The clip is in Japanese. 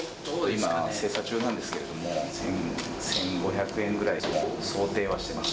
今、精査中なんですけれども、１５００円ぐらいを想定しています。